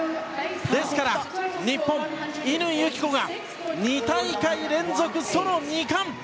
ですから日本の乾友紀子が２大会連続ソロ２冠！